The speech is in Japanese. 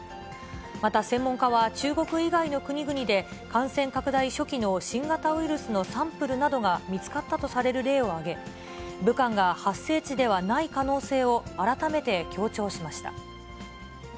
また、専門家は中国以外の国々で、感染拡大初期の新型ウイルスのサンプルなどが見つかったとされる例を挙げ、武漢が発生地ではない可能性を、改めて強調しました。